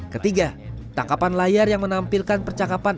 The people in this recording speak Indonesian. ketiga tangkapan layar yang menampilkan percakapan